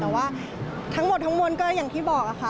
แต่ว่าทั้งหมดทั้งมวลก็อย่างที่บอกค่ะ